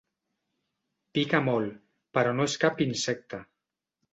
Pica molt, però no és cap insecte.